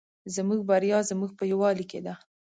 زموږ بریا زموږ په یوالي کې ده